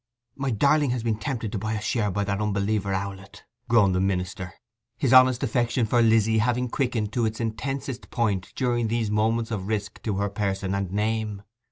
'My darling has been tempted to buy a share by that unbeliever Owlett,' groaned the minister, his honest affection for Lizzy having quickened to its intensest point during these moments of risk to her person and name.